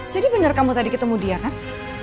jadi benar kamu tadi ketemu dia kan